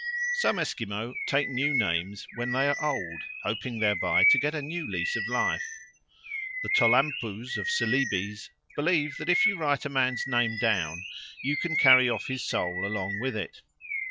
Some Esquimaux take new names when they are old, hoping thereby to get a new lease of life. The Tolampoos of Celebes believe that if you write a man's name down you can carry off his soul along with it.